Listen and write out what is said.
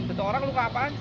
satu orang luka apaan